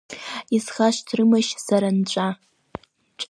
Исхашҭрымашь сара нҵәа.